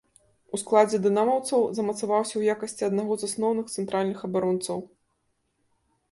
У складзе дынамаўцаў замацаваўся ў якасці аднаго з асноўных цэнтральных абаронцаў.